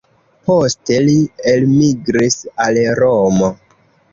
Poste li elmigris al Romo.